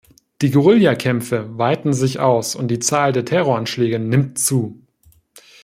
Die Guerillakämpfe weiten sich aus, und die Zahl der Terroranschläge nimmt zu.